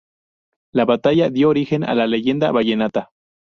La batalla dio origen a la Leyenda vallenata.